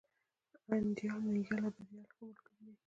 انديال، ننگيال او بريال ښه ملگري دي.